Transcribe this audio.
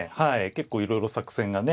結構いろいろ作戦がね